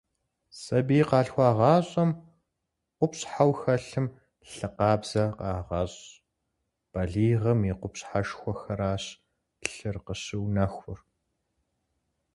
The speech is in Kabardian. Сабий къалъхуагъащӏэхэм къупщхьэу хэлъым лъы къабзэ къагъэщӏ, балигъым и къупщхьэшхуэхэращ лъыр къыщыунэхур.